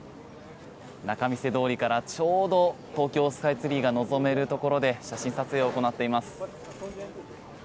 仲見世通りからちょうど東京スカイツリーが望めるところで写真撮影を行っています。